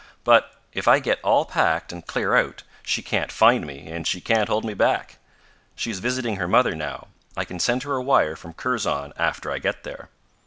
But if I get all packed, and clear out, she can't find me and she can't hold me back. She is visiting her mother now. I can send her a wire from Kurzon after I get there."